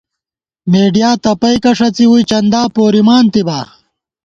مېڈیا تپَئیکہ ݭَڅی ، ووئی چندا پورِمانتِبا